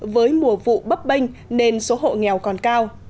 với mùa vụ bấp bênh nên số hộ nghèo còn cao